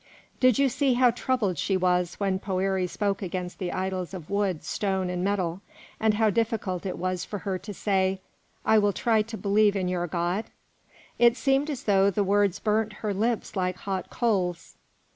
Did you see how troubled she was when Poëri spoke against the idols of wood, stone, and metal, and how difficult it was for her to say, 'I will try to believe in your God'? It seemed as though the words burnt her lips like hot coals."